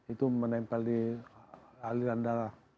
itu menempel di aliran darah